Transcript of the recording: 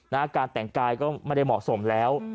การแต่งกายก็ไม่ได้เหมาะสมแล้ว